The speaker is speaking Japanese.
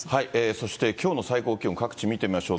そしてきょうの最高気温、各地見てみましょう。